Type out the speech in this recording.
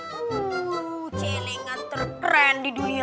huh cilingan terkeren di dunia